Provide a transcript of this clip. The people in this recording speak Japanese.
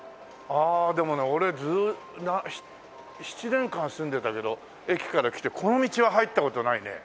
ああでもね俺７年間住んでたけど駅から来てこの道は入った事ないね。